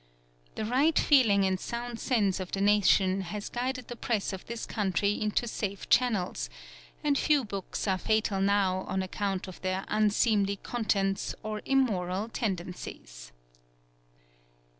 The right feeling and sound sense of the nation has guided the Press of this country into safe channels, and few books are fatal now on account of their unseemly contents or immoral tendencies.